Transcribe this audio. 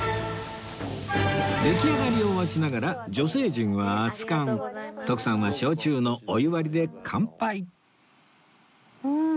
出来上がりを待ちながら女性陣は熱燗徳さんは焼酎のお湯割りで乾杯ん。